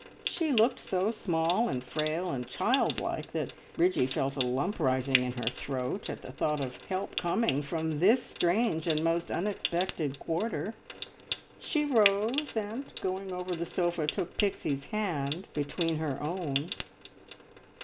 She looked so small and frail and childlike that Bridgie felt a lump rising in her throat at the thought of help coming from this strange and most unexpected quarter. She rose, and, going over to the sofa, took Pixie's hand between her own.